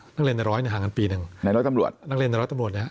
นักเรียนในร้อยเนี่ยห่างกันปีนึงนักเรียนในร้อยตำรวจเนี่ย